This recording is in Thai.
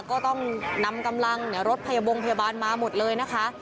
ก็ต้องนำกำลังรถพยาบงพยาบาลมาหมดเลยนะคะ